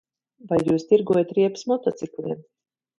Vai jūs tirgojat riepas motocikliem?